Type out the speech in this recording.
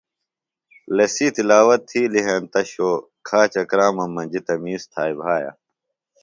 لسی تِلاوت تھیلیۡ ہنتہ بے شو ، کھاچہ کرامم مجیۡ تمیز تھائی بھایہ۔